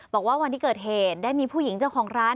บอกว่าวันที่เกิดเหตุได้มีผู้หญิงเจ้าของร้าน